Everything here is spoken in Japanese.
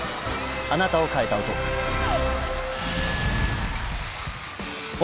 あなたを変えた音。